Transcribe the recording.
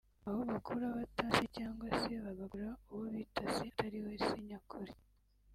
aho bakura batazi ba se cyangwa se bagakura uwo bita se atariwe se nyakuri